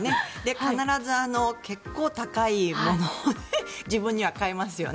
必ず結構、高いものを自分には買いますよね。